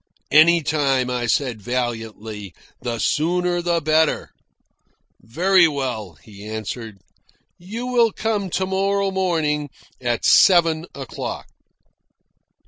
"Any time," I said valiantly. "The sooner the better." "Very well," he answered. "You will come to morrow morning at seven o'clock."